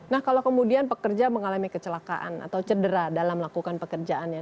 nah kalau kemudian pekerja mengalami kecelakaan atau cedera dalam melakukan pekerjaannya